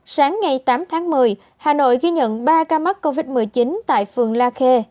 sáng ngày tám tháng một mươi hà nội ghi nhận ba ca mắc covid một mươi chín tại phường la khê